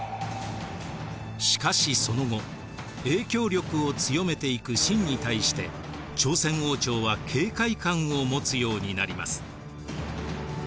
しかしその後影響力を強めていく清に対して朝鮮王朝は警戒感を持つようになります。